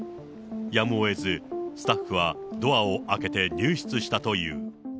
やむをえずスタッフはドアを開けて入室したという。